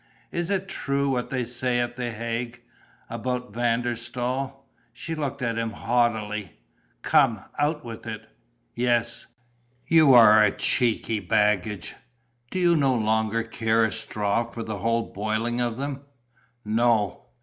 "Is it true, what they say at the Hague? About Van der Staal?" She looked at him haughtily. "Come, out with it!" "Yes." "You are a cheeky baggage! Do you no longer care a straw for the whole boiling of them?" "No."